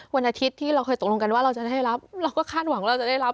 วันอาทิตย์ที่เราเคยตกลงกันว่าเราจะได้รับเราก็คาดหวังเราจะได้รับ